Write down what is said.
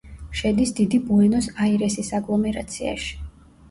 შედის დიდი ბუენოს-აირესის აგლომერაციაში.